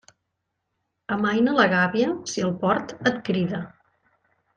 Amaina la gàbia si el port et crida.